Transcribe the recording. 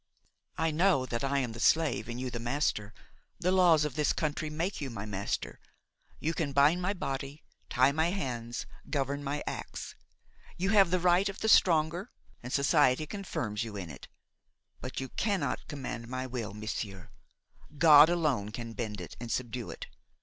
"I know that I am the slave and you the master. The laws of this country make you my master. You can bind my body, tie my hands, govern my acts. You have the right of the stronger, and society confirms you in it; but you cannot command my will, monsieur; God alone can bend it and subdue it.